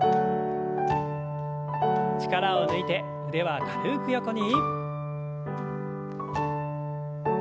力を抜いて腕は軽く横に。